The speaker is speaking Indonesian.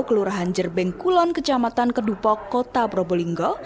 kelurahan jerbeng kulon kecamatan kedupok kota probolinggo